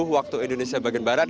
waktu indonesia bagian barat